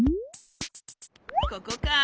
ここか。